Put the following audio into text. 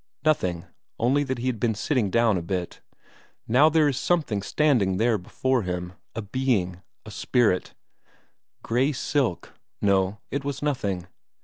Nothing, only that he had been sitting down a bit. Now there is something standing there before him, a Being, a spirit; grey silk no, it was nothing.